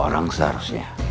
dua orang seharusnya